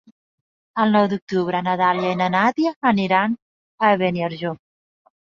El nou d'octubre na Dàlia i na Nàdia aniran a Beniarjó.